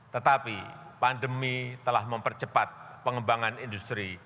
tetapi pandemi telah mempercepat pengembangan industri